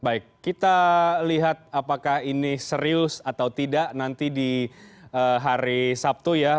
baik kita lihat apakah ini serius atau tidak nanti di hari sabtu ya